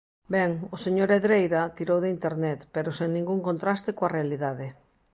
Ben, o señor Hedreira tirou de Internet, pero sen ningún contraste coa realidade.